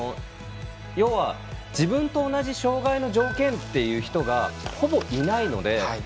要は、自分と同じ障がいの条件という人がほぼいないので。